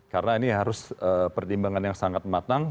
karena ini harus pertimbangan yang sangat matang